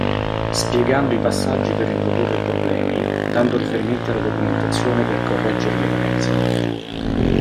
Spiegando i passaggi per riprodurre i problemi dando riferimenti alla documentazione per correggere le carenze.